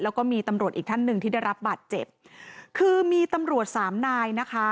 แล้วก็มีตำรวจอีกท่านหนึ่งที่ได้รับบาดเจ็บคือมีตำรวจสามนายนะคะ